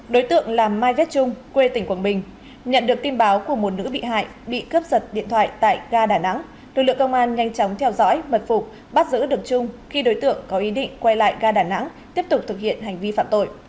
đối tượng là mai vết trung quê tỉnh quảng bình nhận được tin báo của một nữ bị hại bị cướp giật điện thoại tại ga đà nẵng lực lượng công an nhanh chóng theo dõi mật phục bắt giữ được trung khi đối tượng có ý định quay lại ga đà nẵng tiếp tục thực hiện hành vi phạm tội